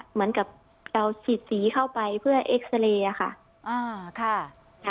เหมือนกับเราฉีดสีเข้าไปเพื่อเอ็กซาเรย์ค่ะ